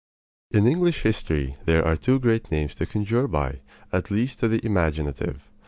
In English history there are two great names to conjure by, at least to the imaginative.